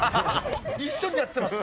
一緒にやってます。